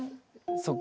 そっか。